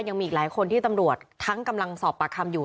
ยังมีอีกหลายคนที่ตำรวจทั้งกำลังสอบปากคำอยู่